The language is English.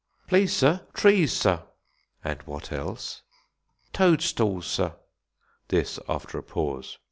"Please, sir, trees, sir." "And what else?" "Toadstools, sir." This after a pause.